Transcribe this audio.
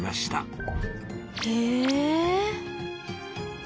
へえ。